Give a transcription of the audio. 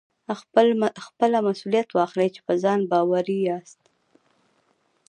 خپله مسوليت واخلئ چې په ځان باور زیات کړئ.